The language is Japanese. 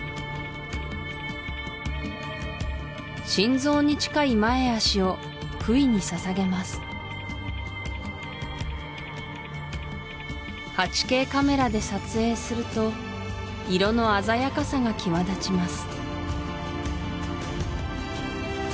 心臓に近い前脚をクウィに捧げます８Ｋカメラで撮影すると色の鮮やかさが際立ちます